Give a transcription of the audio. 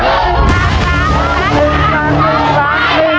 ภายในเวลา๓นาที